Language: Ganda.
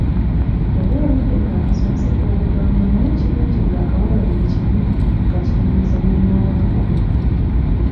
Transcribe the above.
Yali aludde ng'akasonseka obugambo naye ekirungi ng'akawala buli kimu kakinyumiza nnyina waako.